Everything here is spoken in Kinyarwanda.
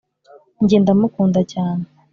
njye nda mukunda cyane